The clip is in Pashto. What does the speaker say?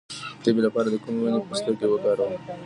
د تبې لپاره د کومې ونې پوستکی وکاروم؟